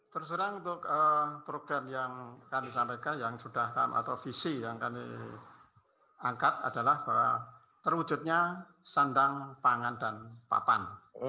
terserang untuk program yang kami sampaikan yang sudah kami atau visi yang kami angkat adalah bahwa terwujudnya sandang pangan dan papan